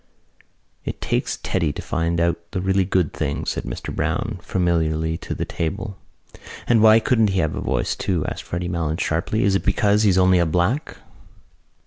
"It takes Teddy to find out the really good things," said Mr Browne familiarly to the table. "And why couldn't he have a voice too?" asked Freddy Malins sharply. "Is it because he's only a black?"